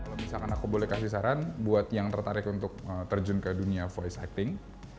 kalau misalkan aku boleh kasih saran buat yang tertarik untuk terjun ke dunia voice acting